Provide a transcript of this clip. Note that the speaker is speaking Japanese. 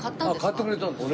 買ってくれたんですよ。